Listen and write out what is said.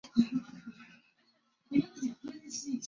安第斯红鹳会在泥丘上产一只白色的蛋。